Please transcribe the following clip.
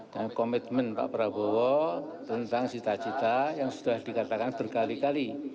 dan komitmen pak prabowo tentang cita cita yang sudah dikatakan berkali kali